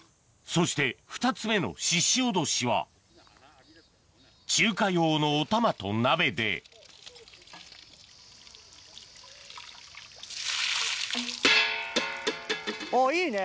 そして２つ目のししおどしは中華用のオタマと鍋であぁいいね。